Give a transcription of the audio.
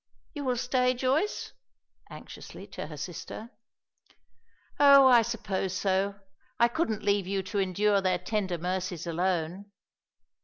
You will stay, Joyce?" anxiously to her sister. "Oh, I suppose so. I couldn't leave you to endure their tender mercies alone."